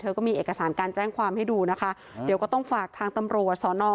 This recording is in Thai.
ก็มีเอกสารการแจ้งความให้ดูนะคะเดี๋ยวก็ต้องฝากทางตำรวจสอนอ